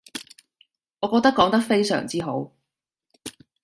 我覺得講得非常之好